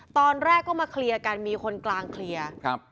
ตอนแรกก็มาเคลียร์กันมีคนกลางเคลียร์ครับ